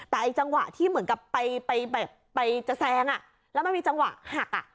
แต่ไอ้จังหวะที่เหมือนกับไปจะแซงอ่ะแล้วมันมีจังหวะหักอ่ะ